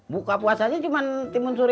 buka puasanya cuma timun suri